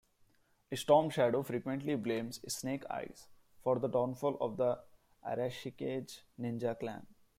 Storm Shadow frequently blames Snake Eyes for the downfall of the Arashikage ninja clan.